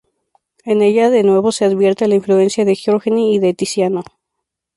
En ella, de nuevo, se advierte la influencia de Giorgione y de Tiziano.